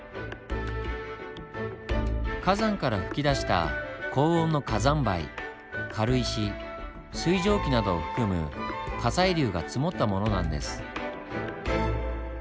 火山から噴き出した高温の火山灰軽石水蒸気などを含む火砕流が積もったものなんです。